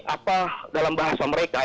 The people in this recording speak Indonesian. apa dalam bahasa mereka